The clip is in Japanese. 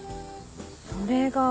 それが。